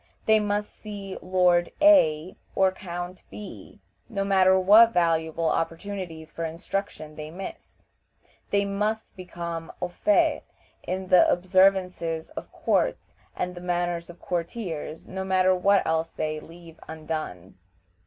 They must see Lord A or Count B , no matter what valuable opportunities for instruction they miss. They must become au fait in the observances of courts and the manners of courtiers, no matter what else they leave undone.